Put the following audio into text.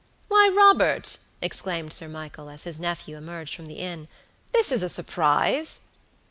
"Why, Robert," exclaimed Sir Michael, as his nephew emerged from the inn, "this is a surprise!"